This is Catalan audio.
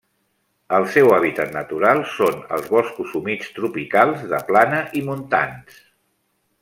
El seu hàbitat natural són els boscos humits tropicals de plana i montans.